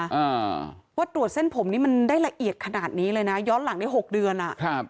ว่าตรวจเส้นผมนี้มันได้ละเอียดขนาดนี้เลยนะย้อนหลังได้๖เดือน